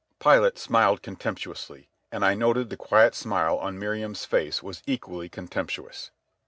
Pilate smiled contemptuously, and I noted the quiet smile on Miriam's face was equally contemptuous.